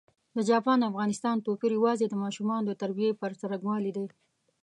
د چاپان او افغانستان توپېر یوازي د ماشومانو د تربیې پر ځرنګوالي دی.